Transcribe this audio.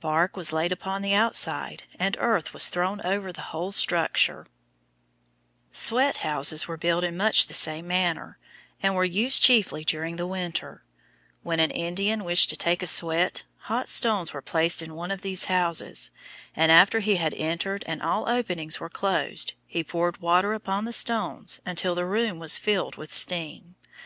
Bark was laid upon the outside, and earth was thrown over the whole structure. [Illustration: FIG. 61. HOLES IN ROCK, MADE FOR GRINDING FOOD] "Sweat houses" were built in much the same manner, and were used chiefly during the winter. When an Indian wished to take a sweat, hot stones were placed in one of these houses, and after he had entered and all openings were closed, he poured water upon the stones until the room was filled with steam.